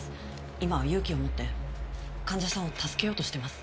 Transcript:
今は勇気を持って患者さんを助けようとしてます